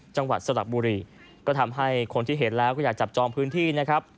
จังหวัดสลับบุรีก็ทำให้คนที่เห็นแล้วก็อยากจับจองพื้นที่นะครับ